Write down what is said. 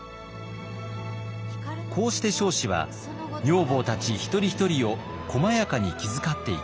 こうして彰子は女房たち一人一人を細やかに気遣っていきました。